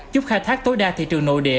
giúp khai thác tối đa thị trường nội địa